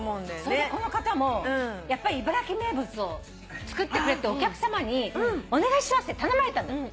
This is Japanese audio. それでこの方も茨城名物を作ってくれってお客さまにお願いしますって頼まれたんだって。